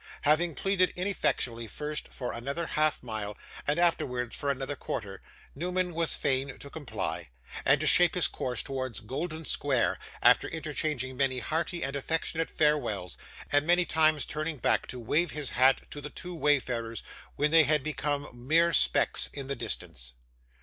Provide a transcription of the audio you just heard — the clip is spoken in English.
Having pleaded ineffectually first for another half mile, and afterwards for another quarter, Newman was fain to comply, and to shape his course towards Golden Square, after interchanging many hearty and affectionate farewells, and many times turning back to wave his hat to the two wayfarers when they had become mere specks in the distance.